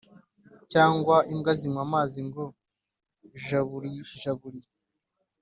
Cyangwa imbwa zinywa amazi ngo jaburijaburi